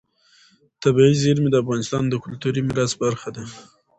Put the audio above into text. طبیعي زیرمې د افغانستان د کلتوري میراث برخه ده.